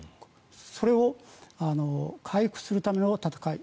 それを回復するための戦い。